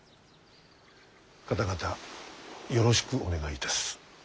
方々よろしくお願いいたす。